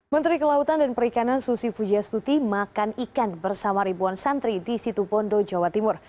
menteri kelautan dan perikanan susi pujastuti makan ikan bersama ribuan santri di situ bondo jawa timur